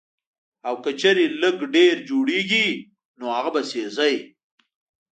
او کۀ چرې لږ ډېر جوړيږي نو هغه به سېزئ